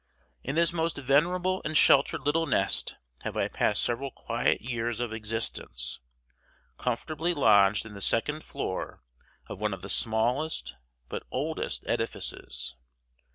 In this most venerable and sheltered little nest have I passed several quiet years of existence, comfortably lodged in the second floor of one of the smallest but oldest edifices.